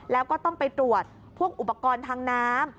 แล้วก็ต้องไปตรวจพวกอุปกรณ์ทางน้ำ